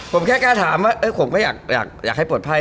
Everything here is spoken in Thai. ผมแค่กล้าถามว่าผมก็อยากให้ปลอดภัย